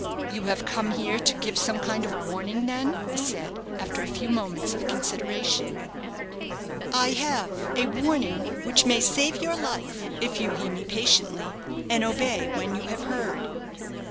"You have come here to give some kind of warning, then?" he said, after a few moments of consideration. "I have a warning which may save your life if you hear me patiently, and obey when you have heard."